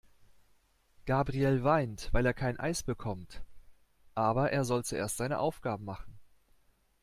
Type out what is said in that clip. Gabriel weint, weil er kein Eis bekommt. Aber er soll zuerst seine Aufgaben machen.